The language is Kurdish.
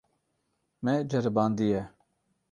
Me ceribandiye.